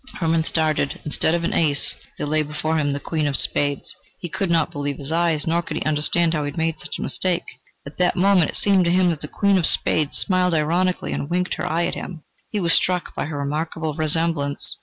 Hermann started; instead of an ace, there lay before him the queen of spades! He could not believe his eyes, nor could he understand how he had made such a mistake. At that moment it seemed to him that the queen of spades smiled ironically and winked her eye at him. He was struck by her remarkable resemblance...